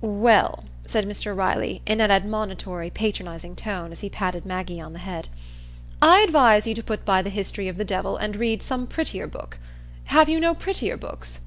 "Well," said Mr Riley, in an admonitory, patronizing tone as he patted Maggie on the head, "I advise you to put by the 'History of the Devil,' and read some prettier book. Have you no prettier books?"